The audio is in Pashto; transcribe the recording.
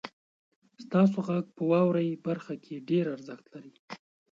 ستاسو غږ په واورئ برخه کې ډیر ارزښت لري.